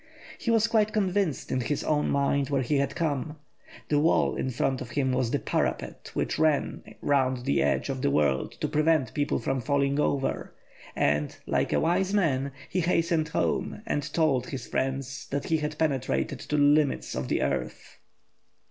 He was quite convinced in his own mind where he had come; the wall in front of him was the parapet which ran round the edge of the world to prevent people from falling over, and, like a wise man, he hastened home and told his friends that he had penetrated to the limits of the earth.